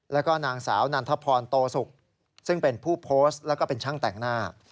แล้วก็นางสาวนันทพรโตสุกซึ่งเป็นผู้โพสต์แล้วก็เป็นช่างแต่งหน้า